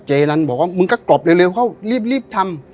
เจรันบอกว่ามึงก็กรอบเร็วเขารีบทำ